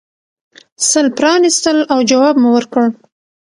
سل پرانیستل او جواب مو ورکړ.